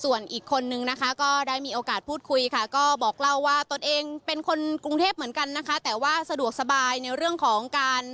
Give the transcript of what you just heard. ส่วนอีกคนนึงนะคะก็ได้มีโอกาสพูดคุยค่ะก็บอกเราว่าตัวเองเป็นคนกรุงเทพฯเหมือนกันนะคะ